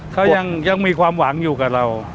เขายังมีความหวังอยู่กับเรา